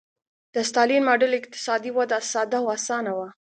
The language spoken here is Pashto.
د ستالین ماډل اقتصادي وده ساده او اسانه وه.